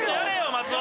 松尾！